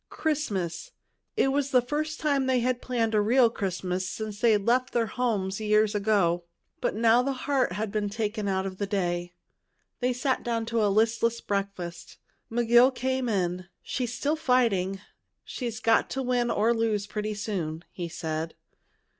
Christmas! This was the first time they had planned a real Christmas since they left their homes years ago. But now the heart had been taken out of the day. They sat down to a listless breakfast. McGill came in. "She's still fighting. She's got to win or lose pretty soon," he said.